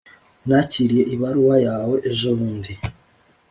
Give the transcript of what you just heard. nakiriye ibaruwa yawe ejobundi.